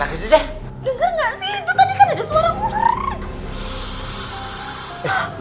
dengar gak sih itu tadi kan ada suara ular